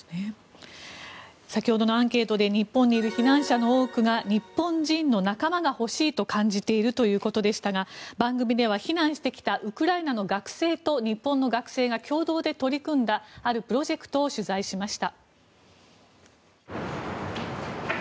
先ほどのアンケートで日本にいる避難者の多くが日本人の仲間が欲しいと感じているということでしたが番組では避難してきたウクライナの学生と日本の学生が共同で取り組んだあるプロジェクトを取材しました。